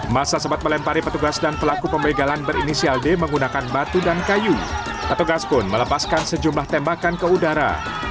masa sempat melempari petugas dan pelaku pembegalan berinisial d menggunakan batu dan kayu petugas pun melepaskan sejumlah tembakan ke udara